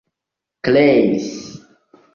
kreis